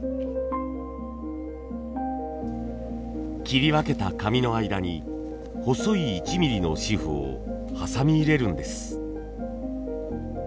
切り分けた紙の間に細い１ミリの紙布を挟み入れるんです。